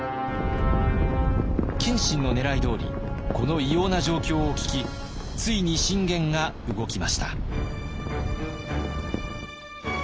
謙信の狙いどおりこの異様な状況を聞きついに信玄が動きました。